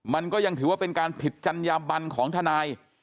มันก็ยังถือว่าเป็นการผิดจัญญาบันของทนาย